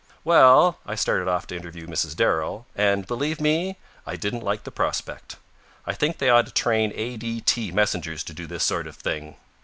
Well, I started off to interview Mrs. Darrell, and, believe me, I didn't like the prospect. I think they ought to train A. D. T. messengers to do this sort of thing.